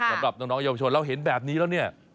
สำหรับน้องเยาวชนเราเห็นแบบนี้แล้วเนี่ย